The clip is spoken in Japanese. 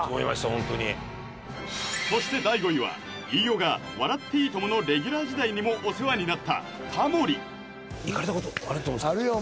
ホントにそして第５位は飯尾が「笑っていいとも！」のレギュラー時代にもお世話になったタモリ行かれたことあるとあるよ